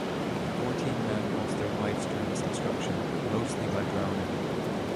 Fourteen men lost their lives during its construction, most by drowning.